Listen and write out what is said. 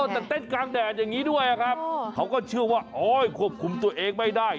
แต่เต้นกลางแดดอย่างนี้ด้วยครับเขาก็เชื่อว่าโอ๊ยควบคุมตัวเองไม่ได้